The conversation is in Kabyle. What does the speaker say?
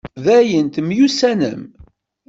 Dayen, temyussanem?